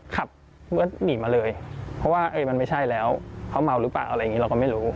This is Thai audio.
ขับรถหนีมาเลยเพราะว่ามันไม่ใช่แล้วเขาเมาหรือเปล่าอะไรอย่างนี้เราก็ไม่รู้